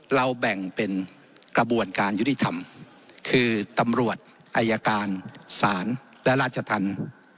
เราแบ่งเป็นกระบวนการยุติธรรมคือตำรวจอายการศาลและราชธรรม